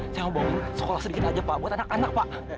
saya mau bawa lo sekolah sedikit aja pak buat anak anak pak